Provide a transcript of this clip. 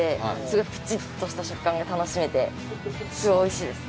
すごいプチッとした食感が楽しめてすごいおいしいです。